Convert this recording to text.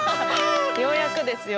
ようやくですよ。